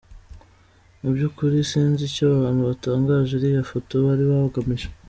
Mu by’ukuri sinzi icyo abantu batangaje iriya foto bari bagamije.